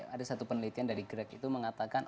ada satu penelitian dari grag itu mengatakan